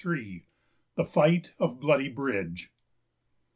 1763. THE FIGHT OF BLOODY BRIDGE.